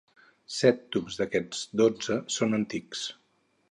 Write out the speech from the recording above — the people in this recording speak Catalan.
Set tubs d'aquests dotze són antics.